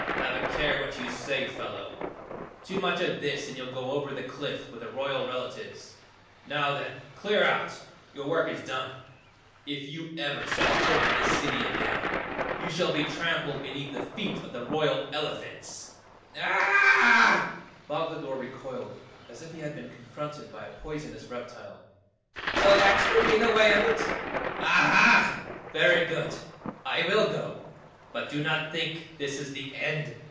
"Have a care what you say, fellow. Too much of this and you'll go over the cliff with the royal relatives. Now, then, clear out! Your work is done! If you ever set foot in this city again, you shall be trampled beneath the feet of the royal elephants!" "Ah hhh!" Boglodore recoiled as if he had been confronted by a poisonous reptile. "So that's to be the way of it? Aha! Very good! I will go. But do not think this is the end!